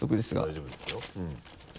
大丈夫ですようん。